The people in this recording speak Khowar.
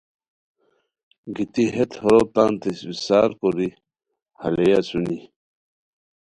گیتی ہیت ہورو تانتے اسپڅارکوری ہالئے اسونی